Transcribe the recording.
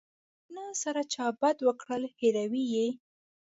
که نارینه سره چا بد وکړل هیروي یې.